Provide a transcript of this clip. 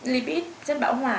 lipid chất bão hòa